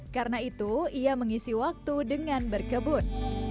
karena itu ia mengisi waktu dengan berkebun